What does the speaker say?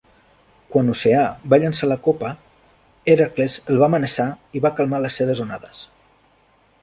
Quan Oceà va llançar la copa, Hèracles el va amenaçar i va calmar les seves onades.